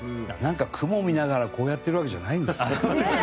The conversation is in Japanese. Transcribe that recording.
なんか雲を見ながらこうやってるわけじゃないんですね。